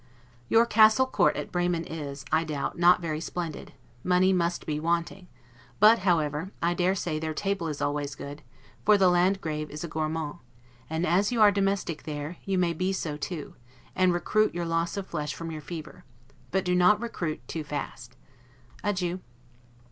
Your Cassel court at Bremen is, I doubt, not very splendid; money must be wanting: but, however, I dare say their table is always good, for the Landgrave is a gourmand; and as you are domestic there, you may be so too, and recruit your loss of flesh from your fever: but do not recruit too fast. Adieu.